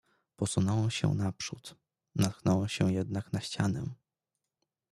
"Posunąłem się naprzód, natknąłem się jednak na ścianę."